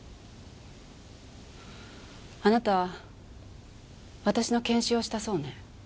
あなた私の検視をしたそうね。